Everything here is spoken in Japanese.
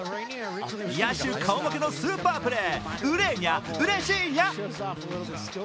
野手顔負けのスーパープレー、ウレーニャ、うれしーにゃ。